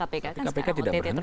tapi kpk tidak berhenti